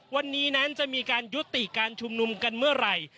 วันนี้นั้นจะมีการยุติการชุมนุมกันเมื่อไหร่